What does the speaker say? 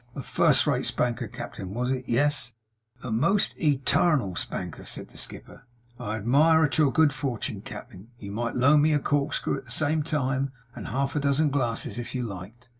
A first rate spanker, cap'en, was it? Yes?' 'A most e tarnal spanker,' said the skipper. 'I admire at your good fortun, cap'en. You might loan me a corkscrew at the same time, and half a dozen glasses if you liked.